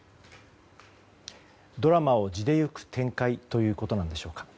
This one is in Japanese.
ドラマを地でいく展開ということなんでしょうか。